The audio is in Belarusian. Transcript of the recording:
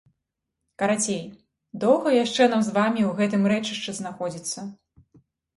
Карацей, доўга яшчэ нам з вамі ў гэтым рэчышчы знаходзіцца!